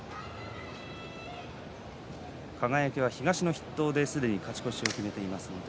輝は東の筆頭ですでに勝ち越しを決めています。